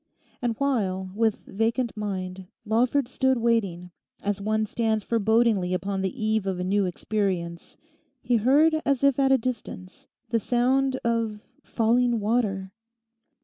And while, with vacant mind, Lawford stood waiting, as one stands forebodingly upon the eve of a new experience he heard as if at a distance the sound of falling water.